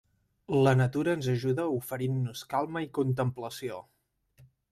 La natura ens ajuda oferint-nos calma i contemplació.